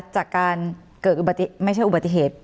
จากการเกิดอุบัติเหตุไม่ใช่อุบัติเหตุ